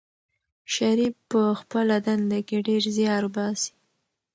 شریف په خپله دنده کې ډېر زیار باسي.